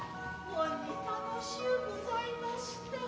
ほんに楽しうございました。